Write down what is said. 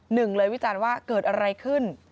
หนึ่งเลยวิจารณ์ว่าเกิดอะไรขึ้น